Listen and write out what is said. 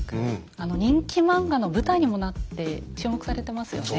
あの人気漫画の舞台にもなって注目されてますよね。